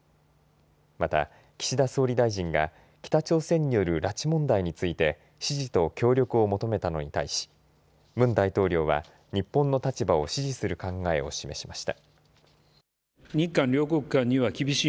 また、岸田総理大臣が北朝鮮による拉致問題について支持と協力を求めたのに対しムン大統領は日本の立場を支持する考えを示しました。